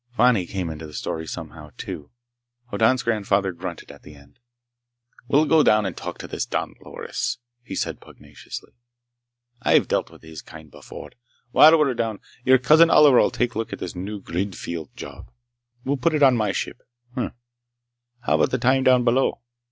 Fani came into the story somehow, too. Hoddan's grandfather grunted, at the end. "We'll go down and talk to this Don Loris," he said pugnaciously. "I've dealt with his kind before. While we're down, your Cousin Oliver'll take a look at this new grid field job. We'll put it on my ship. Hm m m—how about the time down below?